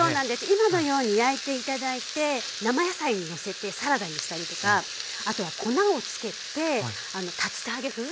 今のように焼いて頂いて生野菜にのせてサラダにしたりとかあとは粉をつけて竜田揚げ風。